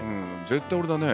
絶対俺だね。